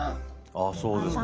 ああそうですか。